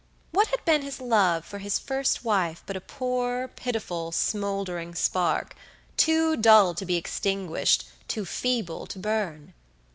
What had been his love for his first wife but a poor, pitiful, smoldering spark, too dull to be extinguished, too feeble to burn?